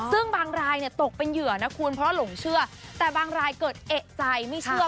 ซึ่งบางรายเนี่ยตกเป็นเหยื่อนะคุณเพราะหลงเชื่อแต่บางรายเกิดเอกใจไม่เชื่อ